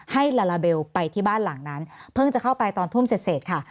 ลาลาเบลไปที่บ้านหลังนั้นเพิ่งจะเข้าไปตอนทุ่มเสร็จค่ะ